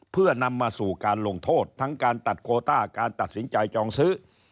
เพื่อนำมาสู่การลงโทษทั้งการตัดโคต้าการตัดสินใจจองซื้อ